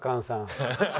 ハハハハ。